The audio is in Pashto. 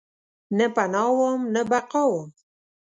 نه پناه وم ، نه بقاوم